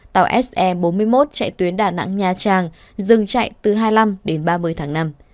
tàu se bốn mươi một chạy tuyến đà nẵng nha trang dừng chạy từ hai mươi năm đến ba mươi tháng năm